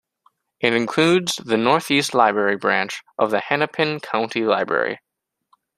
It includes the Northeast Library branch of the Hennepin County Library.